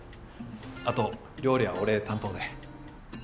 あと料理は俺担当で。